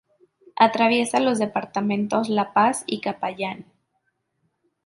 Atraviesa los departamentos La Paz y Capayán.